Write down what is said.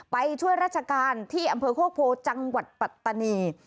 ไปช่วยราชการที่อำเภอโคกโพจังหวัดปัตตานี